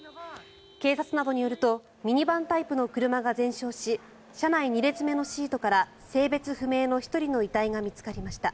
警察などによるとミニバンタイプの車が全焼し車内２列目のシートから性別不明の１人の遺体が見つかりました。